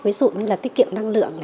ví dụ như là tiết kiệm năng lượng